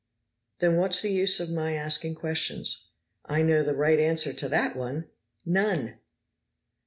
"Then what's the use of my asking questions?" "I know the right answer to that one. None!"